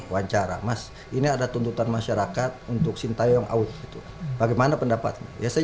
wajar amas ini ada tuntutan masyarakat untuk sinteyong out itu bagaimana pendapatnya ya saya